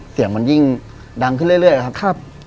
เสียงมันยิ่งดังขึ้นเรื่อยครับ